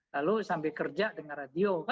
lalu sambil kerja dengan radio